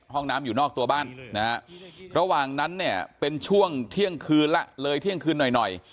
ห้องน้ำอยู่นอกตัวบ้านนะฮะระหว่างนั้นเนี่ยเป็นช่วงเที่ยงคืนละเลยเที่ยงคืนหน่อยหน่อย